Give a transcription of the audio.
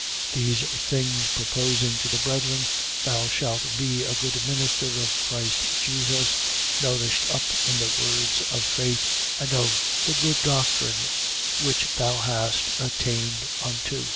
4:6. These things proposing to the brethren, thou shalt be a good minister of Christ Jesus, nourished up in the words of faith and of the good doctrine which thou hast attained unto.